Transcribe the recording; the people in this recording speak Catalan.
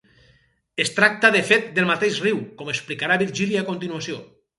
Es tracta de fet del mateix riu, com explicarà Virgili a continuació.